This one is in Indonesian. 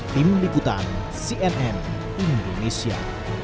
tim ikutan cnn indonesia